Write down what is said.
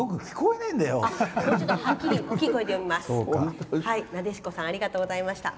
なでしこさんありがとうございました。